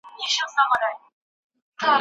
هیله باید هېڅکله بالکن ته د وتلو اجازه ونه لري.